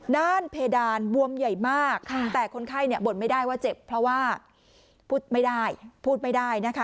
น้านเพดานววมใหญ่มากแต่คนไข้ขอบอบไม่ได้ว่าเจ็บเพราะว่าพูดไม่ได้